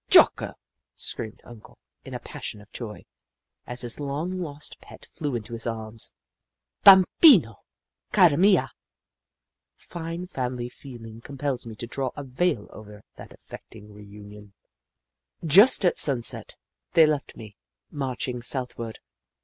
''Jocko !'' screamed Uncle, in a passion of joy, as his long lost pet flew into his arms. " Bambino / Cara mia !" Fine family feeling compels me to draw a veil over that affecting reunion. Just at sunset, they left me, marching south ward.